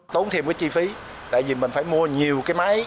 tốn thêm cái chi phí tại vì mình phải mua nhiều cái máy